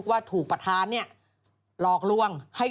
สวัสดีค่าข้าวใส่ไข่